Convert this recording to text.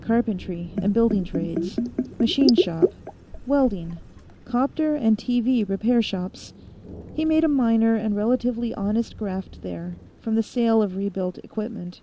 Carpentry and building trades. Machine shop. Welding. 'Copter and TV repair shops he made a minor and relatively honest graft there, from the sale of rebuilt equipment.